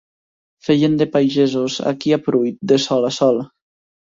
Feien de pagesos aquí a Pruit de sol a sol.